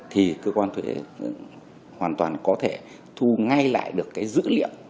thì cơ quan thuế hoàn toàn có thể thu ngay lại được cái dữ liệu